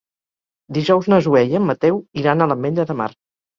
Dijous na Zoè i en Mateu iran a l'Ametlla de Mar.